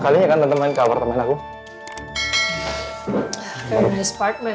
terima kasih banyak banyak various shimmy